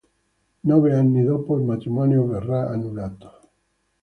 Nove anni dopo il matrimonio verrà annullato.